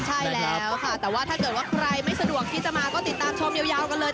ใช่แล้วค่ะแต่ว่าถ้าเกิดว่าใครไม่สะดวกที่จะมาก็ติดตามชมยาวกันเลย